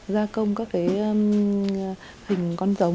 gia công các cái hình con giống